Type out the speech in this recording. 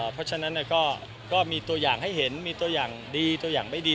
เพราะฉะนั้นก็มีตัวอย่างให้เห็นมีตัวอย่างดีตัวอย่างไม่ดี